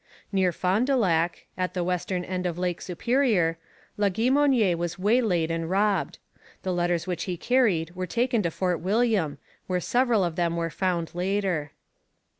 Near Fond du Lac, at the western end of Lake Superior, Laguimonière was waylaid and robbed. The letters which he carried were taken to Fort William, where several of them were found later.